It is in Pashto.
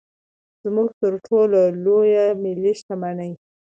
زموږ تر ټولو لویه ملي شتمني.